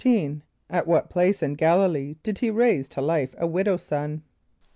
= At what place in G[)a]l´[)i] lee did he raise to life a widow's son?